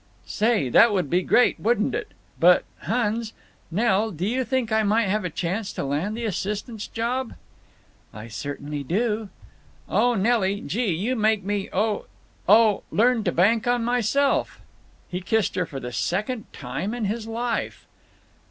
"Say, that would be great, wouldn't it! But hones', Nell, do you think I might have a chance to land the assistant's job?" "I certainly do." "Oh, Nelly—gee! you make me—oh, learn to bank on myself—" He kissed her for the second time in his life.